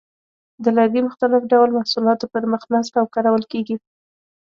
د لرګي مختلف ډول محصولاتو پر مخ نصب او کارول کېږي.